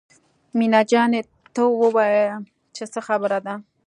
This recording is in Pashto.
مينه جانې ته ووايه چې څه خبره ده.